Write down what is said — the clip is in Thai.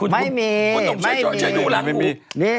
ไม่มี